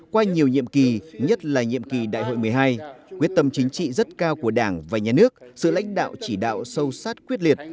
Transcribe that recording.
qua nhiều nhiệm kỳ nhất là nhiệm kỳ đại hội một mươi hai quyết tâm chính trị rất cao của đảng và nhà nước sự lãnh đạo chỉ đạo sâu sát quyết liệt